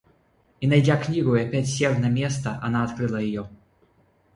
И, найдя книгу и опять сев на место, она открыла ее.